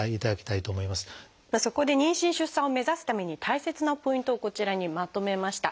そこで妊娠・出産を目指すために大切なポイントをこちらにまとめました。